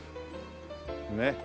ねっ。